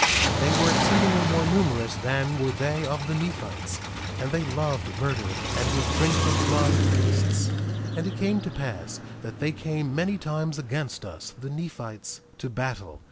And they were exceedingly more numerous than were they of the Nephites; and they loved murder and would drink the blood of beasts. 1:7 And it came to pass that they came many times against us, the Nephites, to battle.